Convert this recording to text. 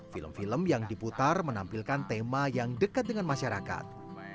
film film yang diputar menampilkan tema yang dekat dengan masyarakat